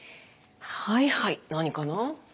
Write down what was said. はいはい何かな？